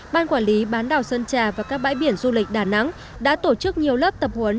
ban quản lý bán đảo sơn trà và các bãi biển du lịch đà nẵng đã tổ chức nhiều lớp tập huấn